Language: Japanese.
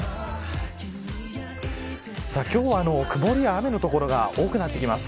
今日は曇りや雨の所が多くなってきます。